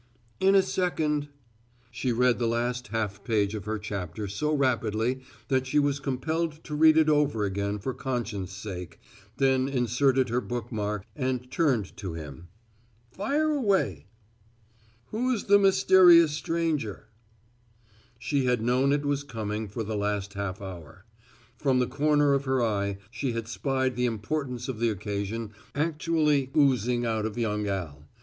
"In a second." She read the last half page of her chapter so rapidly that she was compelled to read it over again for conscience' sake, then inserted her book mark and turned to him: "Fire away." "Who's the mysterious stranger!" She had known it was coming for the last half hour. From the corner of her eye, she had spied the importance of the occasion actually oozing out of young Al.